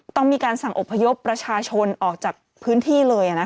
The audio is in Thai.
ต้องมีการสั่งอบพยพประชาชนออกจากพื้นที่เลย